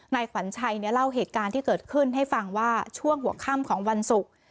ขวัญชัยเนี่ยเล่าเหตุการณ์ที่เกิดขึ้นให้ฟังว่าช่วงหัวค่ำของวันศุกร์